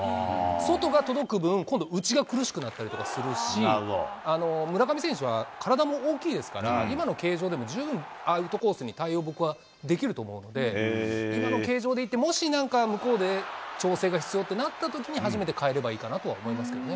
外が届く分、今度内が苦しくなったりとかするし、村上選手は体も大きいですから、今の形状でも十分アウトコースに対応、僕はできると思うので、今の計上でいて、もしなんか向こうで調整が必要となったときに、初めてかえればいいかなと思いますけどね。